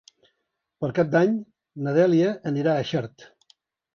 Per Cap d'Any na Dèlia anirà a Xert.